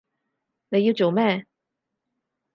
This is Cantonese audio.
你要做咩？